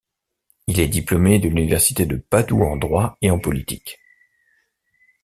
Il est diplômé de l’Université de Padoue en droit et en politique.